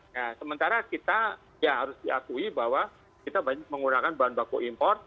nah sementara kita ya harus diakui bahwa kita banyak menggunakan bahan baku import